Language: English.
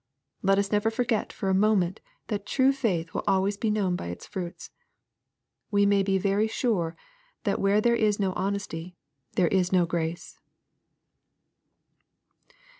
Let us never forget for a moment, that true faith will always be known by its fruits. We may be very sure that where there is no honesty, there is no grace.